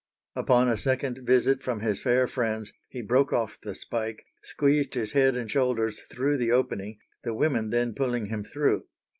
Upon a second visit from his fair friends he broke off the spike, squeezed his head and shoulders through the opening, the women then pulling him through.